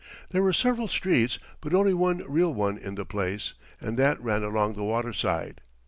There were several streets, but only one real one in the place, and that ran along the waterside.